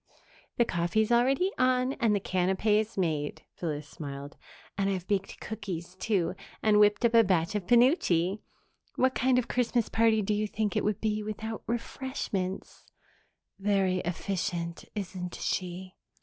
"The coffee's already on and the canapes made," Phyllis smiled. "And I've baked cookies, too, and whipped up a batch of penuche. What kind of a Christmas party do you think it would be without refreshments?" "Very efficient, isn't she?"